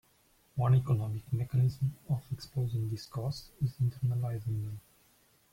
One economic mechanism of exposing these costs is internalizing them.